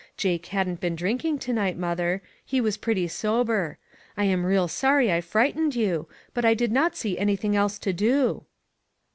Jake hadn't been drinking to night, mother; he was pretty sober. I am real sorry 1 frightened you, but I did not see anything else to do."